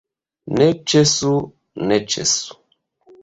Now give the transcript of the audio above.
Ne ĉesu, ne ĉesu!